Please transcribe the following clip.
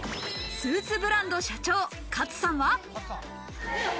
スーツブランド社長・勝さんは。